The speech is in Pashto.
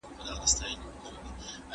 مختليفي سيمي څنګه استازیتوب لري؟